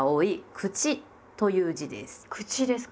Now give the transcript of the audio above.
「口」ですか。